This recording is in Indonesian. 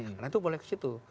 karena itu boleh ke situ